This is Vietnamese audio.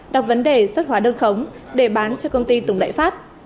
đọc vấn đề xuất hóa đơn khống để bán cho công ty tùng đại pháp